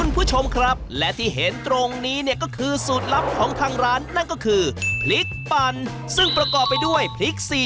เพราะว่าเมื่อก่อนเราเป็นลานก๋วยเตี๋ว